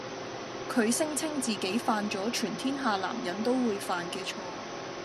佢聲稱自己犯咗全天下男人都會犯嘅錯